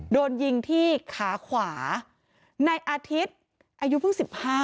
โดนยิงที่ขาขวาในอาทิตย์อายุเพิ่ง๑๕